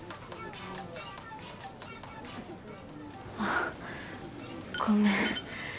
あっごめん。